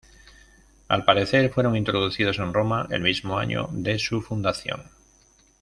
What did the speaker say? Al parecer fueron introducidos en Roma el mismo año de su fundación.